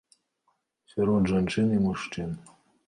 Сярод жанчын і мужчын.